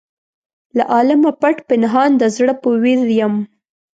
له عالمه پټ پنهان د زړه په ویر یم.